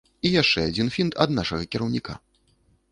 І яшчэ адзін фінт ад нашага кіраўніка.